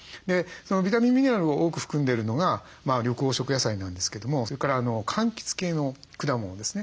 ビタミンミネラルを多く含んでるのが緑黄色野菜なんですけどもそれからかんきつ系の果物ですね。